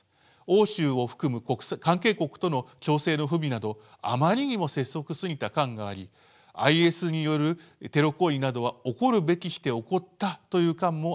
欧州を含む関係国との調整の不備などあまりにも拙速すぎた感がありＩＳによるテロ行為などは起こるべくして起こったという感もありました。